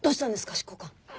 執行官。